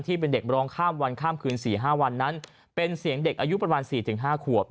ที่เป็นเด็กบรองข้ามวันข้ามคืนสี่ห้าวันนั้นเป็นเสียงเด็กอายุประมาณสี่ถึงห้าขวบ